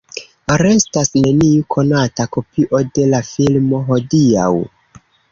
Restas neniu konata kopio de la filmo hodiaŭ.